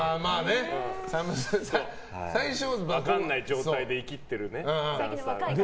分からない状態でいきってるダンサーがね。